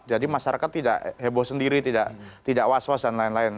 jadi masyarakat tidak heboh sendiri tidak was was dan lain lain